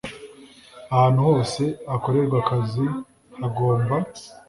ahantu hose hakorerwa akazi hagomba